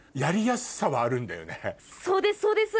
そうですそうです！